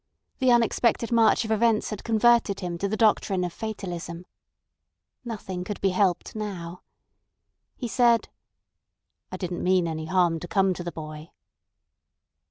The unexpected march of events had converted him to the doctrine of fatalism. Nothing could be helped now. He said: "I didn't mean any harm to come to the boy."